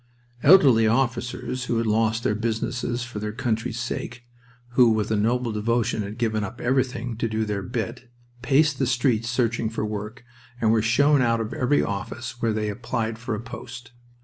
Elderly officers who had lost their businesses for their country's sake, who with a noble devotion had given up everything to "do their bit," paced the streets searching for work, and were shown out of every office where they applied for a post.